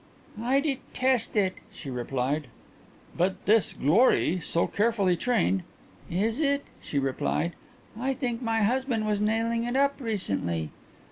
"I detest it," she replied. "But this Glorie, so carefully trained ?" "Is it?" she replied. "I think my husband was nailing it up recently."